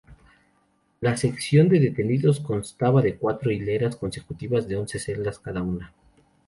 La sección de detenidos constaba de cuatro hileras consecutivas de once celdas cada una.